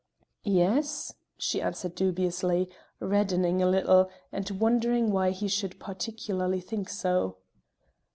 "Yes?" she answered dubiously, reddening a little, and wondering why he should particularly think it so.